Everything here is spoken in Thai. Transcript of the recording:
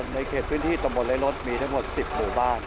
ในเขตพื้นที่ตำบลไร้รถมีทั้งหมด๑๐หมู่บ้าน